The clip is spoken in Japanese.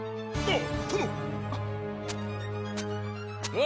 あっ。